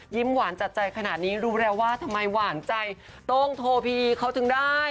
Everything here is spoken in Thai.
หวานจัดใจขนาดนี้รู้แล้วว่าทำไมหวานใจโต้งโทพีเขาถึงได้